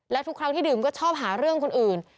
และทุกครั้งที่ดื่มก็ชอบหาเรื่องคนอื่น